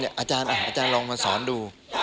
เรียนรู้โดยการอาจารย์อาจารย์ลองมาสอนดู